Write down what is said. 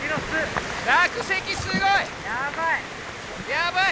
やばい！